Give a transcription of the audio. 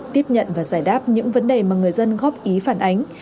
tiếp nhận và giải đáp những vấn đề mà người dân góp ý phản ánh